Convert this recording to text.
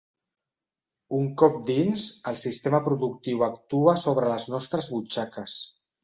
Un cop dins, el sistema productiu actua sobre les nostres butxaques.